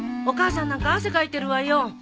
お母さんなんか汗かいてるわよ。